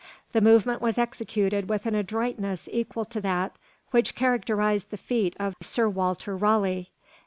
The movement was executed with an adroitness equal to that which characterised the feat of Sir Walter Raleigh.